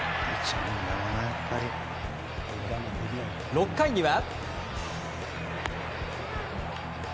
６回には。